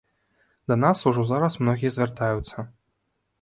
Да нас ужо зараз многія звяртаюцца.